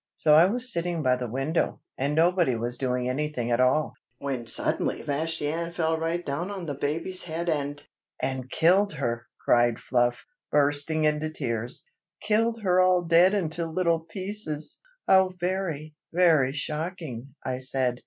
So I was sitting by the window, and nobody was doing anything at all, when suddenly Vashti Ann fell right down on the baby's head and" "and killed her!" cried Fluff, bursting into tears. "Killed her all dead into little pieces!" "How very, very shocking!" I said.